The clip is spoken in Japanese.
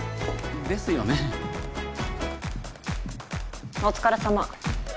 お疲れさま